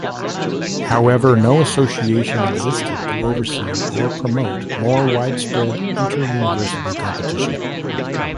However no association existed to oversee or promote more widespread inter-university competition.